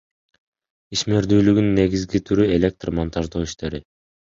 Ишмердүүлүгүнүн негизги түрү — электр монтаждоо иштери.